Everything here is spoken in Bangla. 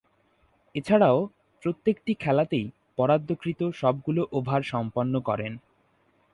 এছাড়াও, প্রত্যেকটি খেলাতেই বরাদ্দকৃত সবগুলো ওভার সম্পন্ন করেন।